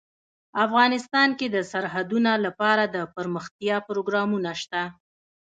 افغانستان کې د سرحدونه لپاره دپرمختیا پروګرامونه شته.